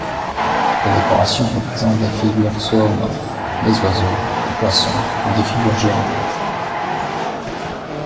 Les décorations représentent des figures zoomorphes, des oiseaux, des poissons ou des figures géométriques.